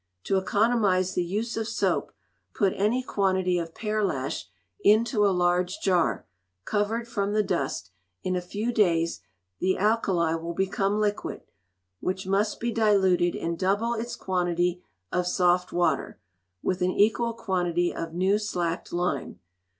To economize the use of soap, put any quantity of pearlash into a large jar, covered from the dust, in a few days the alkali will become liquid, which must be diluted in double its quantity of soft water, with an equal quantity of new slacked lime.